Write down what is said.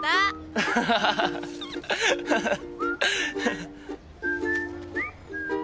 アハハハアハハハ。